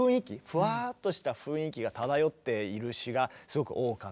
フワッとした雰囲気が漂っている詩がすごく多かった。